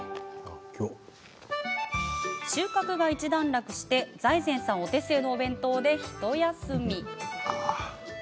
収穫が一段落して財前さんお手製のお弁当でひと休み。